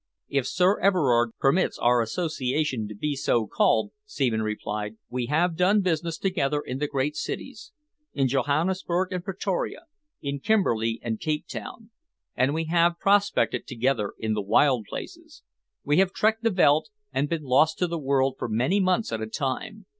"If Sir Everard permits our association to be so called," Seaman replied. "We have done business together in the great cities in Johannesburg and Pretoria, in Kimberley and Cape Town and we have prospected together in the wild places. We have trekked the veldt and been lost to the world for many months at a time.